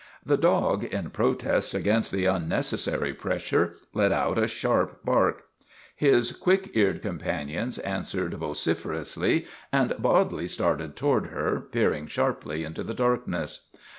The dog, in pro test against the unnecessary pressure, let out a sharp bark. His quick eared companions answered MADNESS OF ANTONY SPATOLA 87 vociferously, and Bodley started toward her, peering sharply into the darkness.